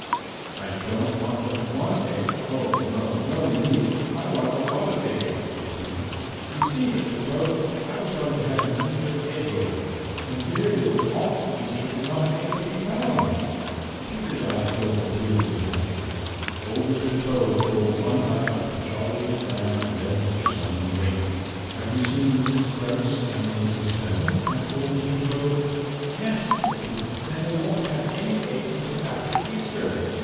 "I don't want just one egg, oh, no, no indeed! I want a lot of eggs," said Peter. "You see, Mr. Toad, I was going to have an Easter egg rolling, and here it is almost Easter and not an egg to be found!" Peter's eyes filled with tears again. Old Mr. Toad rolled one eye up at jolly, round, red Mr. Sun and winked. "Have you seen Mrs. Grouse and Mrs. Pheasant?" asked old Mr. Toad. "Yes," said Peter Rabbit, "and they won't have any eggs until after Easter."